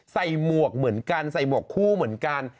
หมวกเหมือนกันใส่หมวกคู่เหมือนกัน